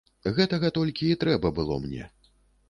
Гэтага толькі і трэба было мне.